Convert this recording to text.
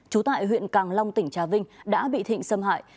trú tại huyện càng long tỉnh trà vinh đã bị thịnh xâm hại